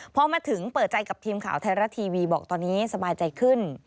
พอมาถึงเปิดใจกับทีมข่าวไทยรัฐทีวีบอกตอนนี้สบายใจขึ้น